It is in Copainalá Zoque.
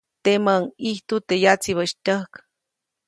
Teʼmäʼuŋ ʼijtu teʼ yatsibäʼis tyäjk.